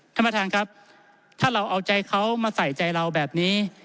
ท่านประธานครับถ้าเราเอาใจเขามาใส่ใจเราแบบนี้